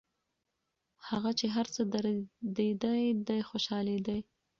هغه چي هر څه دردېدی دی خوشحالېدی